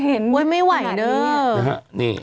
ถึงหน้านี่